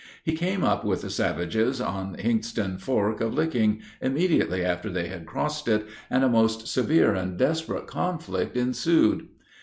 He came up with the savages on Hinkston fork of Licking, immediately after they had crossed it; and a most severe and desperate conflict ensued.